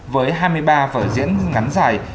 với hai mươi ba vở diễn ngắn dài